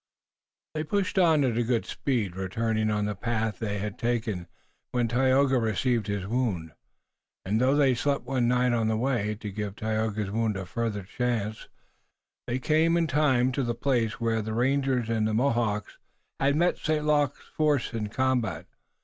They pushed on at good speed, returning on the path they had taken, when Tayoga received his wound, and though they slept one night on the way, to give Tayoga's wound a further chance, they came in time to the place where the rangers and the Mohawks had met St. Luc's force in combat.